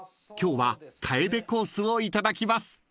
［今日は楓コースをいただきます］